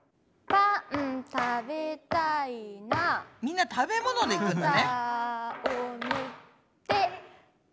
みんな食べ物でいくんだね。